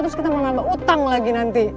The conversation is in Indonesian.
terus kita mau nambah utang lagi nanti